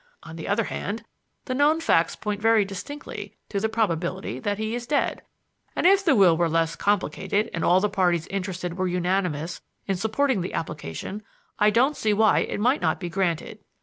On the other hand, the known facts point very distinctly to the probability that he is dead; and, if the will were less complicated and all the parties interested were unanimous in supporting the application, I don't see why it might not be granted.